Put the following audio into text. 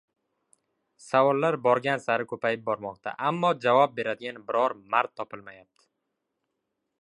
Savollar borgan sari koʻpayib bormoqda. Ammo javob beradigan biror mard topilmayapti.